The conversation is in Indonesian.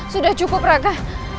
sudah cukup raka